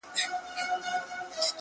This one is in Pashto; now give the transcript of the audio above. د قاضي مخي ته ټول حاضرېدله!!